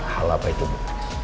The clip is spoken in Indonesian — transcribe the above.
hal apa itu bu